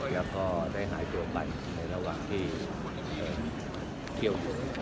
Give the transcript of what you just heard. แล้วก็ได้หายตัวไปในระหว่างที่เที่ยวอยู่